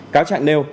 cáo trạng nêu